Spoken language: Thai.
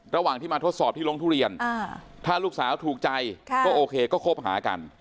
ระหว่างที่มาทดสอบที่โรงทุเรียนถ้าลูกสาวถูกใจก็โอเคก็คบหากัน